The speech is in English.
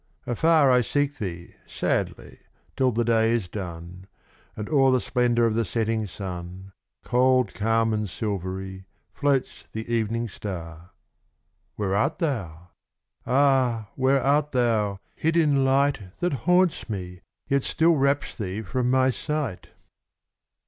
Afar I seek thee sadly, till the day is done, And o'er the splendour of the setting sun, Cold, calm, and silvery, floats the evening star; Where art thou? Ah! where art thou, hid in light That haunts me, yet still wraps thee from my sight?